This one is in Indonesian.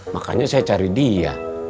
makanya saya cari dia